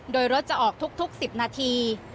โดยรถจะออกทุก๑๐นาที